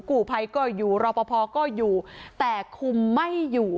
กู้ภัยก็อยู่รอปภก็อยู่แต่คุมไม่อยู่